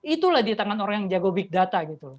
itulah di tangan orang yang jago big data gitu